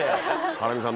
ハラミさん